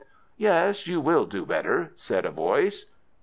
"Yes, you will do better," said a voice.